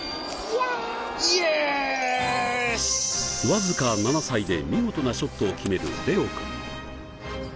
わずか７歳で見事なショットを決めるレオくん。